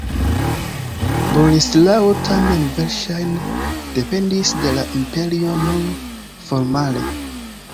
Boleslao tamen verŝajne dependis de la imperio nur formale.